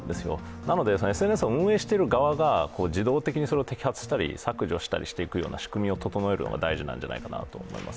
なのでＳＮＳを運営している側が自動的にそれを摘発したり、削除したりしていくような仕組みを整えるが大事なんじゃないかと思います。